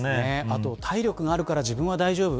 体力があるから自分は大丈夫。